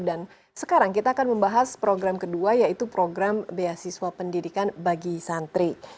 dan sekarang kita akan membahas program kedua yaitu program beasiswa pendidikan bagi santri